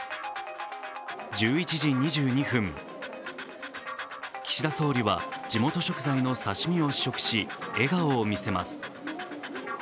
１１時２２分、岸田総理は地元食材の刺身を試食し笑顔を見せます。